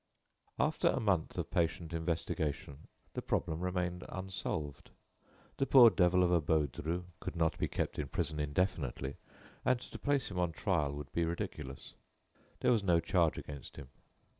After a month of patient investigation, the problem remained unsolved. The poor devil of a Baudru could not be kept in prison indefinitely, and to place him on trial would be ridiculous. There was no charge against him.